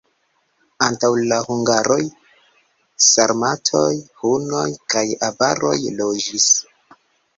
Antaŭ la hungaroj sarmatoj, hunoj kaj avaroj loĝis.